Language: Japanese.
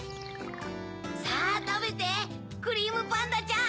さぁたべてクリームパンダちゃん。